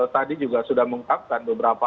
tadi juga sudah mengungkapkan beberapa